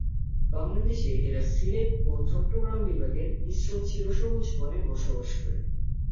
বাংলাদেশে এরা সিলেট ও চট্টগ্রাম বিভাগের মিশ্র চিরসবুজ বনে বসবাস করে।